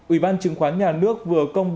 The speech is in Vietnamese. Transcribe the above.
ủy ban chứng khoán nhà nước vừa công thức